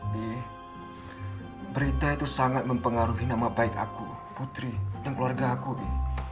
di berita itu sangat mempengaruhi nama baik aku putri dan keluarga aku di